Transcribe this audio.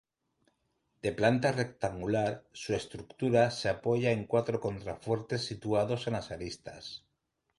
De planta rectangular, su estructura se apoya en cuatro contrafuertes situados en las aristas.